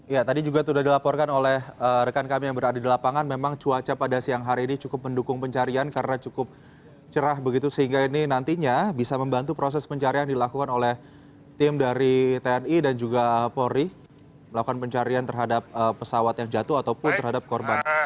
ya tadi juga sudah dilaporkan oleh rekan kami yang berada di lapangan memang cuaca pada siang hari ini cukup mendukung pencarian karena cukup cerah begitu sehingga ini nantinya bisa membantu proses pencarian dilakukan oleh tim dari tni dan juga polri melakukan pencarian terhadap pesawat yang jatuh ataupun terhadap korban